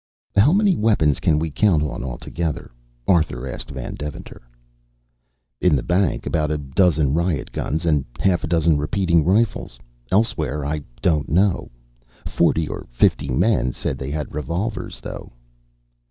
"How many weapons can we count on altogether?" Arthur asked Van Deventer. "In the bank, about a dozen riot guns and half a dozen repeating rifles. Elsewhere I don't know. Forty or fifty men said they had revolvers, though."